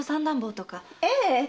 ええ。